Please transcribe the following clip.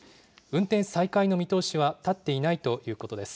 運転再開の見通しは立っていないということです。